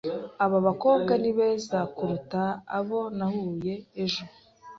Aba bakobwa ni beza kuruta abo nahuye ejo.